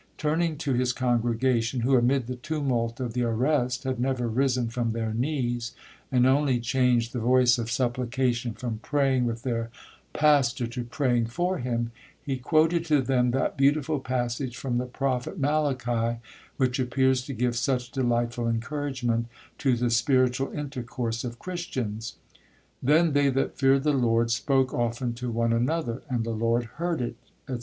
Turning to his congregation, who, amid the tumult of the arrest, had never risen from their knees, and only changed the voice of supplication from praying with their pastor, to praying for him,—he quoted to them that beautiful passage from the prophet Malachi, which appears to give such delightful encouragement to the spiritual intercourse of Christians,—'Then they that feared the Lord, spoke often to one another, and the Lord heard it,' &c.